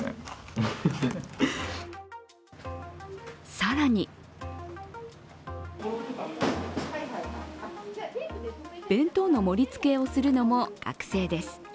更に弁当の盛りつけをするのも学生です。